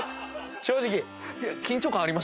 正直。